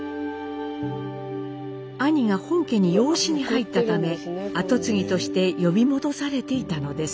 兄が本家に養子に入ったため跡継ぎとして呼び戻されていたのです。